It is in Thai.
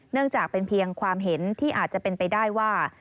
จากเป็นเพียงความเห็นที่อาจจะเป็นไปได้ว่า